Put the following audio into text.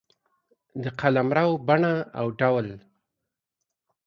د قلمرو بڼه او ډول